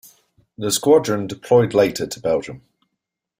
The squadron deployed later to Belgium.